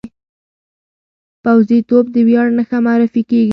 پوځي توب د ویاړ نښه معرفي کېږي.